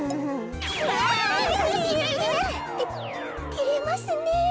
ててれますねえ。